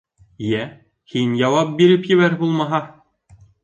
— Йә, һин яуап биреп ебәр, булмаһа.